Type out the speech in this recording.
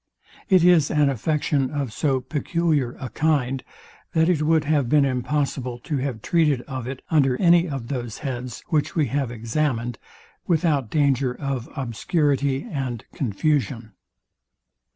It is an affection of so peculiar a kind, that it would have been impossible to have treated of it under any of those heads, which we have examined, without danger of obscurity and confusion.